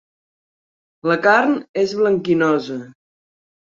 La carn és blanquinosa.